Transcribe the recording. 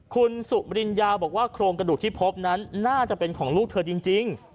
คุณสุริญญาบอกว่าโครงกระดูกที่พบนั้นน่าจะเป็นของลูกเธอจริง